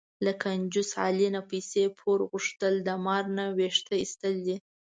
له کنجوس علي نه پیسې پور غوښتل، د مار نه وېښته ایستل دي.